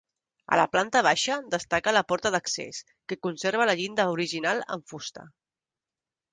A la planta baixa destaca la porta d'accés, que conserva la llinda original en fusta.